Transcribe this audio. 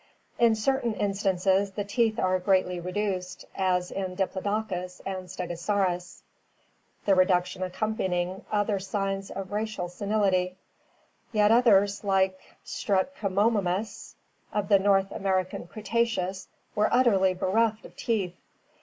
In certain instances the teeth are greatly reduced, as in Diplodocus (Fig. 157) and Stegosaurus (Fig. 164), the reduction accompanying other signs of racial senility. Yet others like Strutki omimus of the North American Cretaceous were utterly bereft of teeth.